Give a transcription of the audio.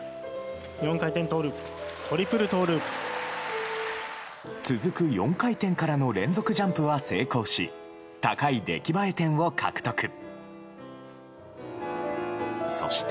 ４回転トーループ、トリプル続く４回転からの連続ジャンプは成功し、高い出来栄え点を獲得。